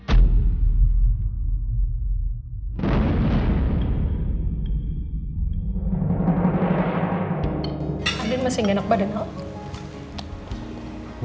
adin masih gak enak badan kamu